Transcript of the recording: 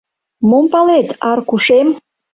— Мом палет, Аркушем?